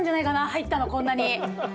入ったのこんなに！